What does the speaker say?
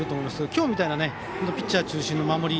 今日みたいなピッチャー中心の守り。